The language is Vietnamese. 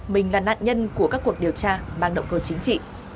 mình là nạn nhân của các cuộc điều tra mang động cơ chính trị